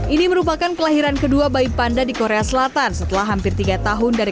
ini merupakan kelahiran kedua bayi panda di korea selatan setelah hampir tiga tahun dari